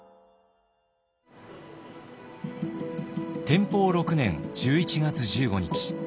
天保６年１１月１５日。